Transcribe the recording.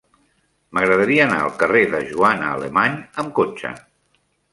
M'agradaria anar al carrer de Joana Alemany amb cotxe.